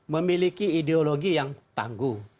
memiliki ideologi yang tangguh